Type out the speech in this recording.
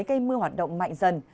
cây mưa hoạt động mạnh dần